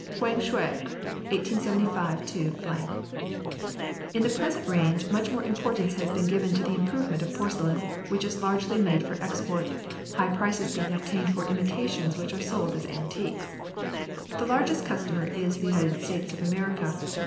KWANG SHIU (1875 ). In the present reign much more importance has been given to the improvement of porcelain, which is largely made for export, high prices being obtained for imitations which are sold as antiques. The largest customer is the United States of America.